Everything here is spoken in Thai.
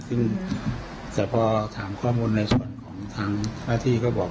ซึ่งแต่พอถามข้อมูลในส่วนของทางหน้าที่ก็บอก